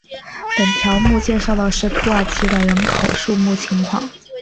本条目介绍的是土耳其的人口数目情况。